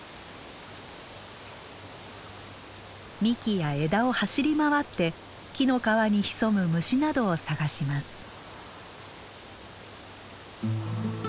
幹や枝を走り回って木の皮に潜む虫などを探します。